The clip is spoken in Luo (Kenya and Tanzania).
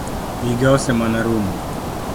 Iga ose mana rumo